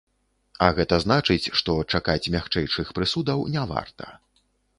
А гэта значыць, што чакаць мякчэйшых прысудаў не варта.